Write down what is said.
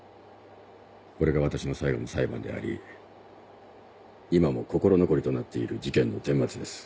これが私の最後の裁判であり今も心残りとなっている事件の顛末です。